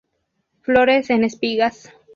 Flores en espigas.